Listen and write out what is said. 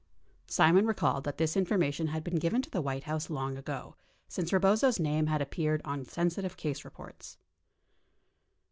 Simon recalled that this i: . formation had been given to the White House long ago since Ee'bozo's name had appeared on sensitive case reports.